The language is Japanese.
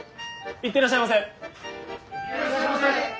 行ってらっしゃいませ！